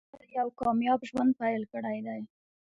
هغه یو کامیاب ژوند پیل کړی دی